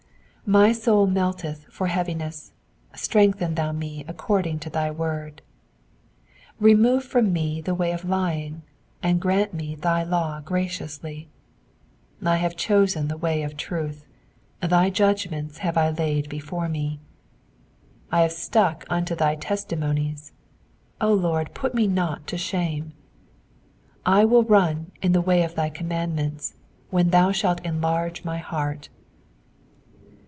28 My soul melteth for heaviness : strengthen thou me according unto thy word. 29 Remove from me the way of lying : and grant me thy law graciously. 30 I have chosen the way of truth : thy judgments have I laid before me. 31 I have stuck unto thy testimonies : O Lord, put me not to shame. 32 I will run the way of thy commandments, when thou shalt enlarge my heart.